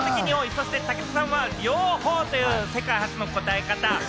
そして武田さんはＡとＢ両方という世界初の答え方。